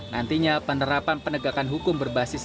nantinya penerapan penegakan hukum berbasis